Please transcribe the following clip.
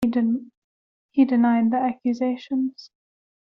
He denied the accusations.